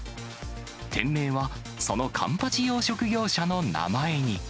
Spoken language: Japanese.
店名はそのカンパチ養殖業者の名前に。